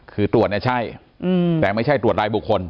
คือตรวจเนี่ยใช่แต่ไม่ใช่ตรวจรายบุคคล